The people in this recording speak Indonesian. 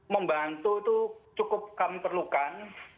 membantu itu cukup kami perlukan